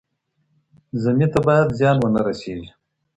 ذمي ته باید زیان ونه رسیږي.